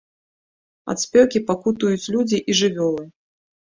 Ад спёкі пакутуюць людзі і жывёлы.